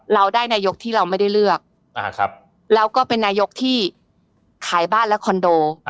เราได้นายกที่เราไม่ได้เลือกแล้วก็เป็นนายกที่ขายบ้านและคอนโด